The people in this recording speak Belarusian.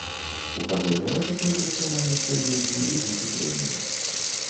У каго няма такой прадпрымальніцкай жылкі, ідуць у трэнеры.